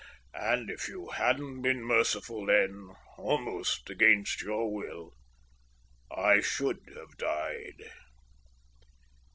And if you hadn't been merciful then, almost against your will, I should have died."